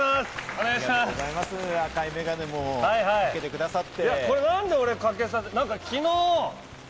赤いメガネもかけてくださって。